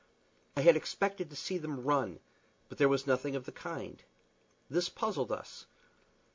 I had expected to see them run, but there was nothing of the kind. This puzzled us.